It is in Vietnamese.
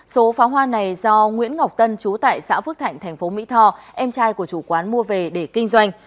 số pháo hoa này do nguyễn ngọc tân chú tại xã phước thạnh tp mỹ tho em trai của chủ quán mua về để kinh doanh